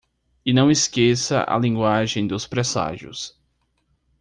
E não esqueça a linguagem dos presságios.